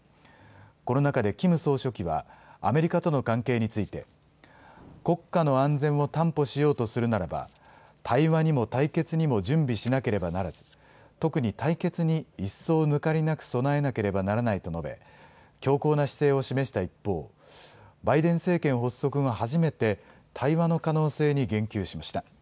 この中でキム総書記は、アメリカとの関係について、国家の安全を担保しようとするならば、対話にも対決にも準備しなければならず、特に対決に一層抜かりなく備えなければならないと述べ、強硬な姿勢を示した一方、バイデン政権発足後初めて、対話の可能性に言及しました。